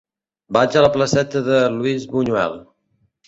Vaig a la placeta de Luis Buñuel.